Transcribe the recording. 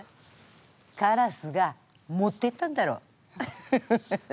カラスが持ってったんだろ。